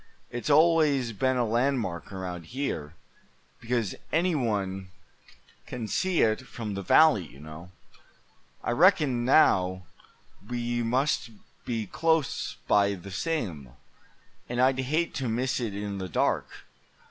"It's always been a landmark around here, because any one can see it from the valley, you know. I reckon, now, we must be close by the same; and I'd hate to miss it in the dark.